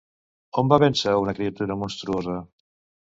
On va vèncer a una criatura monstruosa?